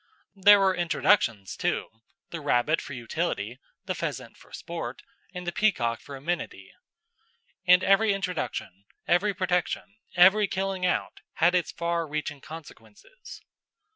There were introductions too the rabbit for utility, the pheasant for sport, and the peacock for amenity. And every introduction, every protection, every killing out had its far reaching influences.